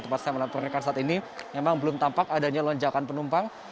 tempat saya melaporkan saat ini memang belum tampak adanya lonjakan penumpang